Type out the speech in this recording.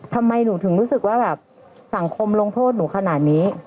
ทำไมหนูถึงรู้สึกว่าแบบสังคมลงโทษหนูขนาดนี้